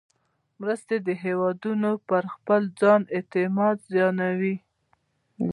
مرستې د هېوادونو پر خپل ځان اعتماد زیانمنوي.